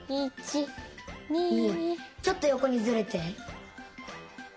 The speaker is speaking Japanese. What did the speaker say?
ちょっとよこにずれて。